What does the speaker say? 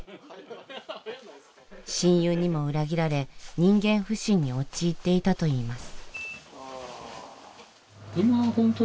親友にも裏切られ人間不信に陥っていたといいます。